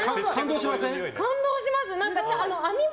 感動します。